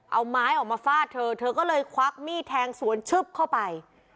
เอาไม้ออกมาฟาดเธอเธอก็เลยควักมีดแทงสวนชึบเข้าไป